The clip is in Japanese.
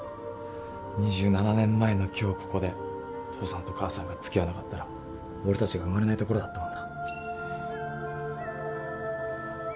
２７年前の今日ここで父さんと母さんが付き合わなかったら俺たちが生まれないところだったもんな。